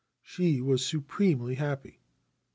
She was supremely happy.